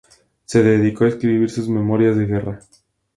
Se dedicó a escribir sus memorias de guerra.